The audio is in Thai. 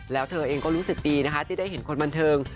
แล้วเธอเองก็รู้สึกดีนะคะที่ได้เห็นคนบันเทิง